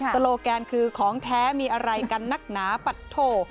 โลแกนคือของแท้มีอะไรกันนักหนาปัดโท